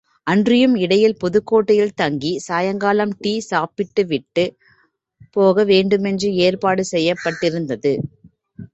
அன்றியும் இடையில் புதுக்கோட்டையில் தங்கி, சாயங்காலம் டீ சாப்பிட்டுவிட்டுப் போக வேண்டுமென்று ஏற்பாடு செய்யப்பட்டிருந்தது.